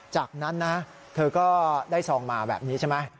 จากนั้นนะเธอก็ได้ซองมาแบบนี้ใช่ไหม